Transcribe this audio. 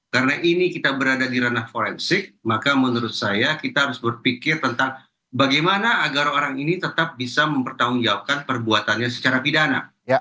karena ini kita berada di ranah forensik maka menurut saya kita harus berpikir tentang bagaimana agar orang ini tetap bisa mempertanggungjawabkan perbuatannya secara pidana